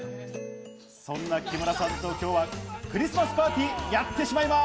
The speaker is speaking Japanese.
そんな木村さんと今日はクリスマスパーティー、やってしまいます。